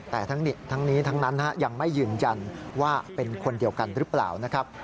แต่ทั้งนี้ทั้งนั้นยังไม่ยืนยันว่าเป็นคนเดียวกันหรือเปล่านะครับ